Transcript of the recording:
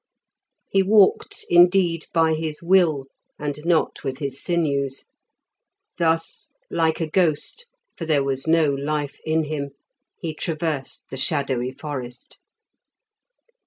He walked, indeed, by his will, and not with his sinews. Thus, like a ghost, for there was no life in him, he traversed the shadowy forest.